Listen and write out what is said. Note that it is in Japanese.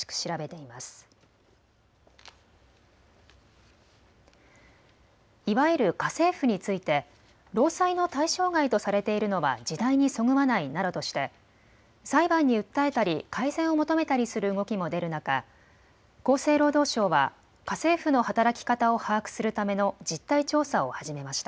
いわゆる家政婦について労災の対象外とされているのは時代にそぐわないなどとして裁判に訴えたり改善を求めたりする動きも出る中、厚生労働省は家政婦の働き方を把握するための実態調査を始めました。